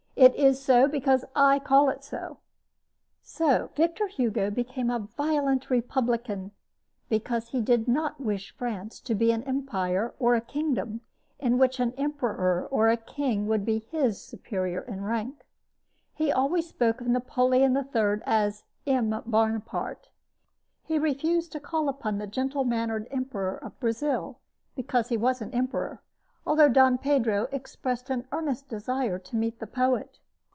It is so, because I call it so!" So, Victor Hugo became a violent republican, because he did not wish France to be an empire or a kingdom, in which an emperor or a king would be his superior in rank. He always spoke of Napoleon III as "M. Bonaparte." He refused to call upon the gentle mannered Emperor of Brazil, because he was an emperor; although Dom Pedro expressed an earnest desire to meet the poet.